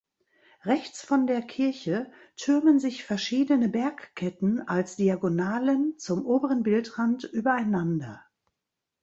Rechts von der Kirche türmen sich verschiedene Bergketten als Diagonalen zum oberen Bildrand übereinander.